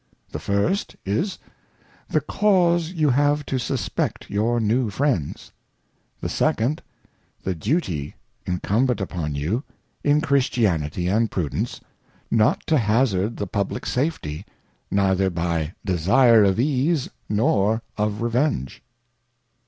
The First is. The Causejfou have to^uspect your new Fr iends. The Second, The Duty incumbent upon you, in Christianity and Prudence, not to hazard the Publick Safety, neither by desire of Ease, nor of Reveng e.